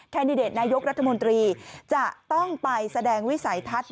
ดิเดตนายกรัฐมนตรีจะต้องไปแสดงวิสัยทัศน์